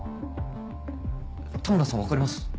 田村さん分かります？